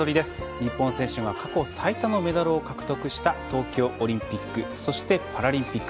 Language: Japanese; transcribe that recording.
日本選手が過去最多のメダルを獲得した東京オリンピックそしてパラリンピック。